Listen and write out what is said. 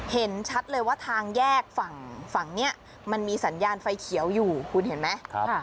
เห็นชัดเลยว่าทางแยกฝั่งนี้มันมีสัญญาณไฟเขียวอยู่คุณเห็นไหม